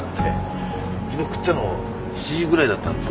昨日食ったの７時ぐらいだったんですよ。